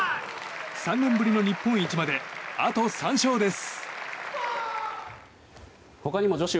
３年ぶりの日本一まであと３勝です。